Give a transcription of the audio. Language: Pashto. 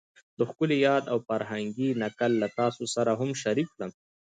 دا ښکلی یاد او فرهنګي نکل له تاسو سره هم شریک کړم